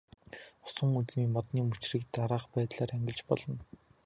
Усан үзмийн модны мөчрийг дараах байдлаар ангилж болно.